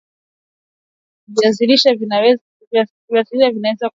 viazilishe vinaweza kuvunwa kwa mutmia jembe